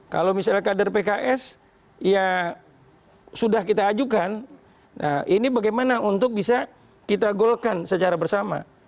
kalau misalnya kader pks ya sudah kita ajukan nah ini bagaimana untuk bisa kita golkan secara bersama